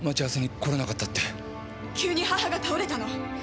急に母が倒れたの。